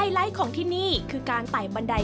ไลท์ของที่นี่คือการไต่บันได